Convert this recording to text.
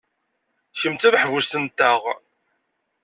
Kemm d tameḥbust-nteɣ.